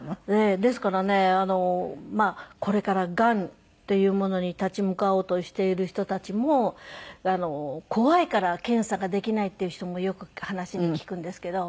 ですからねこれからがんっていうものに立ち向かおうとしている人たちも怖いから検査ができないっていう人もよく話で聞くんですけど。